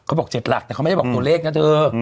เขาบอก๗หลักแต่เขาไม่ได้บอกตัวเลขนะเธอ